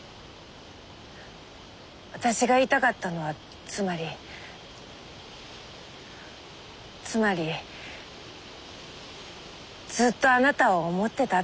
私が言いたかったのはつまりつまりずっとあなたを思ってたってことなの。